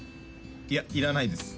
いやいらないです。